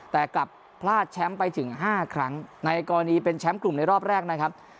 แต่กลับพลาดแชมป์ไปถึง๕ครั้งในกรณีเป็นแชมป์กลุ่มในรอบแรกนะครับ